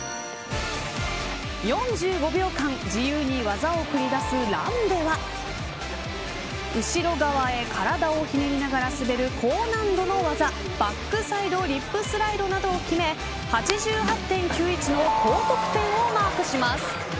４５秒間自由に技を繰り出すランでは後ろ側へ体をひねりながら滑る高難度の技バックサイド・リップスライドなどを決め８８．９１の高得点をマークします。